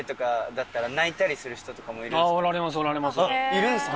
いるんすか？